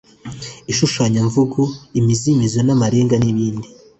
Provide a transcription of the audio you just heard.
ishushanyamvugo, imizimizo n’amarenga n’ibindi